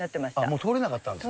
もう通れなかったんですね。